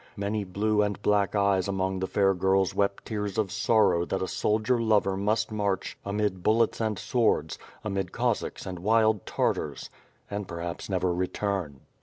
Many blue and black eyes among the fair girls wept tears of sorrow that a soldier lover must march amid bullets and swords, amid Cossacks and wild Tartars ... and perhaps never return.